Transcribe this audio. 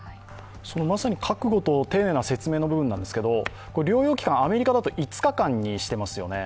まさに覚悟と丁寧な説明の部分ですが、療養期間、アメリカだと５日間にしていますよね。